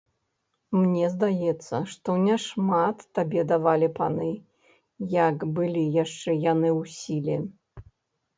Мне здаецца, што не шмат табе давалі паны, як былі яшчэ яны ў сіле.